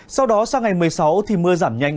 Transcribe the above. sau đó sang ngày một mươi sáu thì mưa giảm nhanh